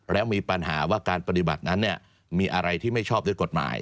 แล้วมีปัญหาว่าการปฏิบัตินั้นมีอะไรที่ไม่ชอบด้วยกฎหมาย